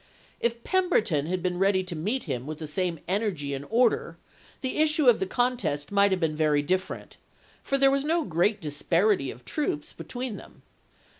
If Pemberton had been ready to meet him with the same energy and order, the issue of the contest might have been very different, for there was no great disparity of forces between them.